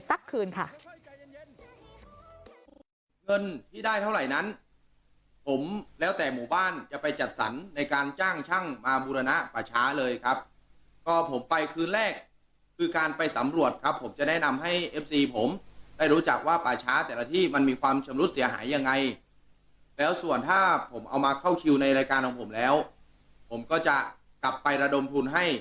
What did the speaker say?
แต่งตัวแต่งหน้าแต่ละวันไม่เหมือนกันเลยสักคืนค่ะ